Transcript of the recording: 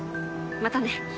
またね。